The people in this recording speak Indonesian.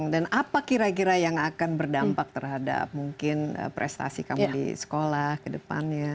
dan apa kira kira yang akan berdampak terhadap mungkin prestasi kamu di sekolah ke depannya